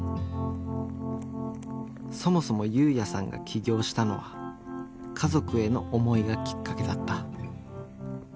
そもそも侑弥さんが起業したのは家族への思いがきっかけだった。